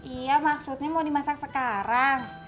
iya maksudnya mau dimasak sekarang